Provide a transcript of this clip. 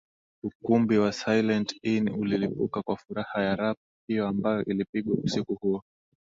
Ukumbi wa Silent Inn ulilipuka kwa furaha ya Rap hiyo ambayo ilipigwa usiku huo